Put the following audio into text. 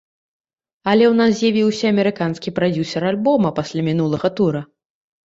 Але ў нас з'явіўся амерыканскі прадзюсар альбома пасля мінулага тура.